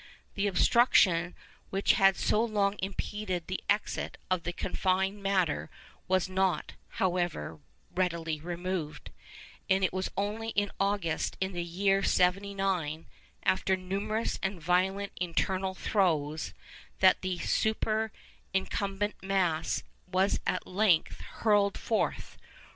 The obstruction which had so long impeded the exit of the confined matter was not, however, readily removed, and it was only in August in the year 79, after numerous and violent internal throes, that the superincumbent mass was at length hurled forth.